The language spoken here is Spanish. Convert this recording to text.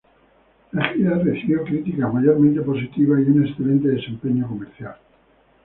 La gira recibió críticas mayormente positivas y un excelente desempeño comercial.